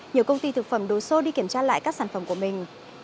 nhiều công ty thực phẩm đồ xô đi kiểm tra lại các sản phẩm của mình